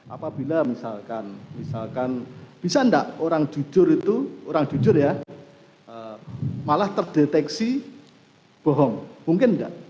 apabila misalkan bisa enggak orang jujur itu malah terdeteksi bohong mungkin enggak